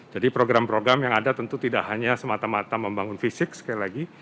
jadi program program yang ada tentu tidak hanya semata mata membangun fisik sekali lagi